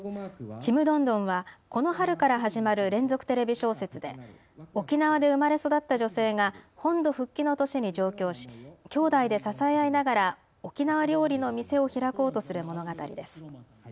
ちむどんどんは、この春から始まる連続テレビ小説で沖縄で生まれ育った女性が本土復帰の年に上京しきょうだいで支え合いながら、沖縄料理の店を開こうとする物語です。